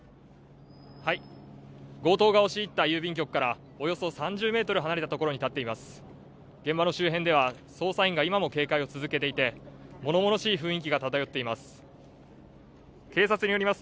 強盗が押し入った郵便局からおよそ３０ｍ離れた所に立っています